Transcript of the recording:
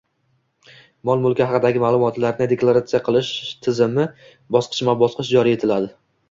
mol-mulki haqidagi ma’lumotlarni deklaratsiya qilish tizimi bosqichma-bosqich joriy etiladi.